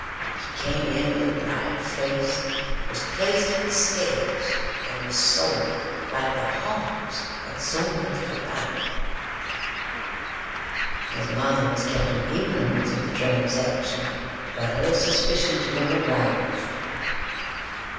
He came in with a bright face, was placed in the scales, and was sold, like the hogs, at so much per pound. His mother was kept in ignorance of the transaction, but her suspicions were aroused.